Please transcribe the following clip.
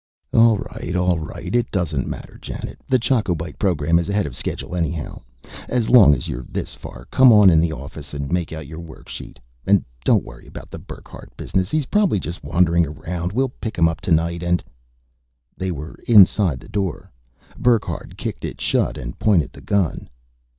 "All right, all right. It doesn't matter, Janet; the Choco Bite program is ahead of schedule anyhow. As long as you're this far, come on in the office and make out your worksheet. And don't worry about the Burckhardt business. He's probably just wandering around. We'll pick him up tonight and " They were inside the door. Burckhardt kicked it shut and pointed the gun.